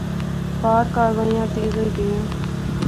پار کاروائیاں تیز ہوئی گیئاں